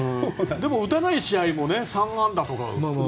でも打たない試合も３安打とか。